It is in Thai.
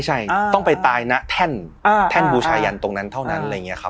ใช่ต้องไปตายในแถ่นแถ่นบูชายันตรงนั้นเท่านั้น